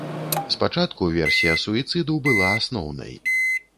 Спачатку версія суіцыду была асноўнай.